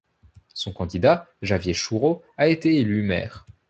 Son candidat Javier Chourraut a été élu maire.